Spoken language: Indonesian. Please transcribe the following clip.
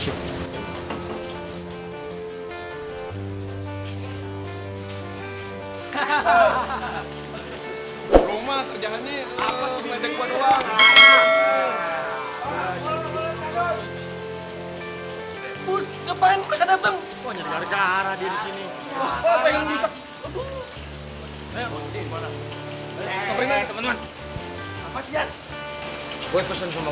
hahaha rumah kerjaannya